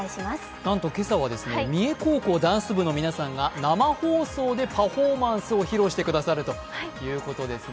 なんと今朝は三重高校ダンス部の皆さんが生放送でパフォーマンスを披露してくださるということです。